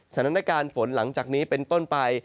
สถานการณ์ฝนหลังจากนี้เป็นต้นไป